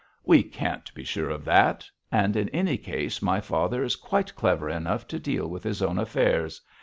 'We can't be sure of that; and in any case, my father is quite clever enough to deal with his own affairs.